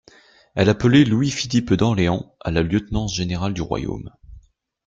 Elle appelait Louis-Philippe d'Orléans à la lieutenance générale du royaume.